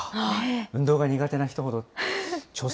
運動が苦手な人ほど。